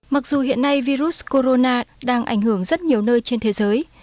mặc dù hiện nay virus corona đang ảnh hưởng rất nhiều nơi trên thế giới